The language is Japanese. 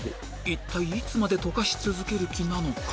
一体いつまでとかし続ける気なのか？